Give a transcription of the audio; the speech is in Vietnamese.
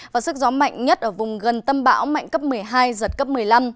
và sức gió mạnh nhất ở vùng gần tâm bão mạnh cấp một mươi hai giật cấp một mươi năm